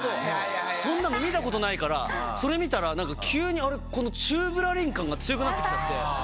そんなの見たことないからそれ見たらなんか急にこの宙ぶらりん感が強くなってきちゃって。